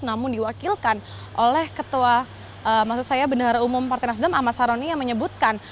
namun diwakilkan oleh ketua umum partai nasdem ahmad saroni yang menyebutkan